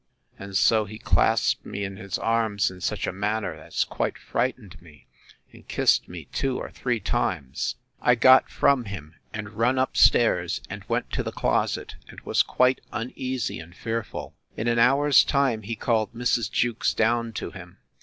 And so he clasped me in his arms in such a manner as quite frightened me; and kissed me two or three times. I got from him, and run up stairs, and went to the closet, and was quite uneasy and fearful. In an hour's time he called Mrs. Jewkes down to him!